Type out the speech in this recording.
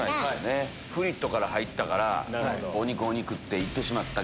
フリットから入ったからお肉お肉っていってしまった。